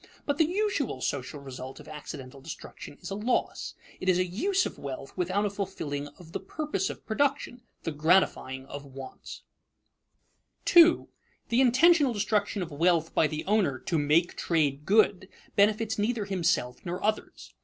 But the usual social result of accidental destruction is a loss. It is a use of wealth without a fulfilling of the purpose of production, the gratifying of wants. [Sidenote: Intentional destruction of wealth by the owner] 2. _The intentional destruction of wealth by the owner, to make trade good, benefits neither himself nor others.